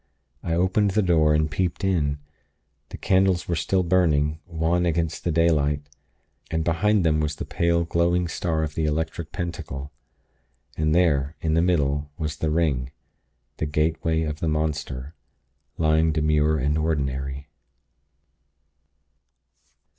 I opened the door, and peeped in. The candles were still burning, wan against the daylight; and behind them was the pale, glowing star of the Electric Pentacle. And there, in the middle, was the ring ... the gateway of the monster, lying demure and ordinary.